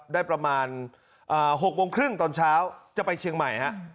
ได้ประมาณ๖โมงครึ่งตอนเช้าจะไปเชียงใหม่ฮะ